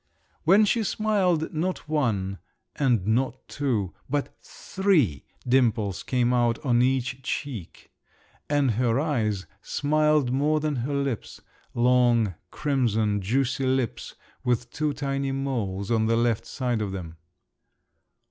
When she smiled, not one and not two, but three dimples came out on each cheek, and her eyes smiled more than her lips—long, crimson, juicy lips with two tiny moles on the left side of them.